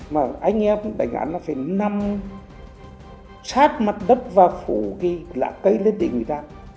mà anh em đánh án là phải nằm sát mặt đất và phủ cái lã cây lên đỉnh người ta